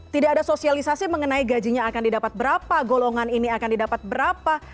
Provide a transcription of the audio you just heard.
tidak ada sosialisasi mengenai gajinya akan didapat berapa golongan ini akan didapat berapa